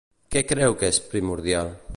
Què creu que és primordial?